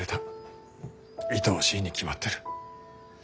いとおしいに決まってる。